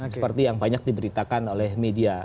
seperti yang banyak diberitakan oleh media